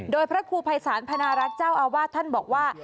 โดยพระครูภัยศาลพนารัฐเจ้าอาวาสท่านบอกว่า